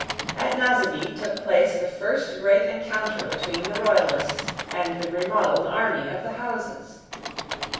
At Naseby took place the first great encounter between the Royalists and the remodelled army of the Houses.